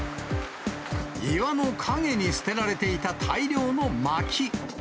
岩の陰に捨てられていた大量のまき。